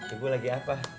ibu lagi apa